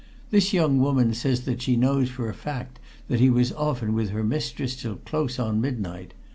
This young woman says that she knows for a fact that he was often with her mistress till close on midnight.